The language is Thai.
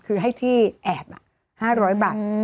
คือให้ที่แอบ๕๐๐บาท